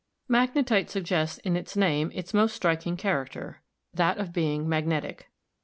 Magnetite suggests in its name its most striking char acter, that of being magnetic.